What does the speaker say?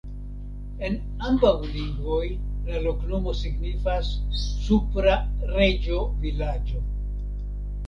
En ambaŭ lingvoj la loknomo signifas: supra-reĝo-vilaĝo.